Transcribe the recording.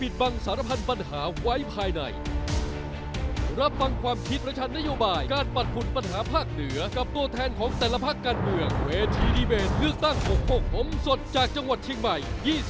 ๓๐นาทีเป็นต้นไป